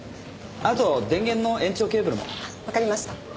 あと電源の延長ケーブルも。わかりました。